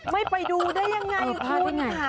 ไม่ไปดูได้ยังไงคุณค่ะ